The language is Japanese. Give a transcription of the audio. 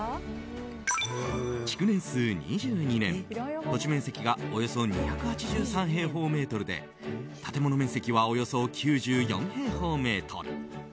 築年数２２年、土地面積がおよそ２８３平方メートルで建物面積はおよそ９４平方メートル。